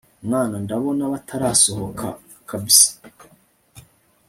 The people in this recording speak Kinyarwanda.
mwana ndabona batarasohoka kabsa